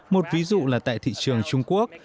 một ví dụ là tại thị trường trung quốc